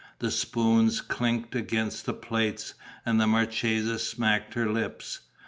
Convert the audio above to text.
The spoons clinked against the plates and the marchesa smacked her lips.